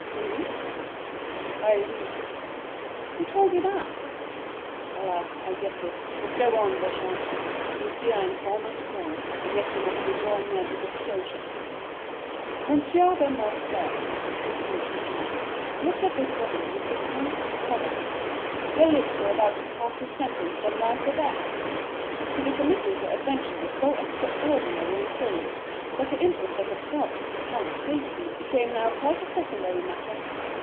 "Who?" "Haydée." "Who told you that?" "Alas, I guess it. But go on, Beauchamp. You see I am calm and strong. And yet we must be drawing near the disclosure." "M. de Morcerf," continued Beauchamp, "looked at this woman with surprise and terror. Her lips were about to pass his sentence of life or death. To the committee the adventure was so extraordinary and curious, that the interest they had felt for the count's safety became now quite a secondary matter.